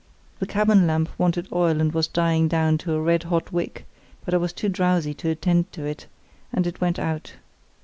The cabin lamp wanted oil and was dying down to a red hot wick, but I was too drowsy to attend to it, and it went out.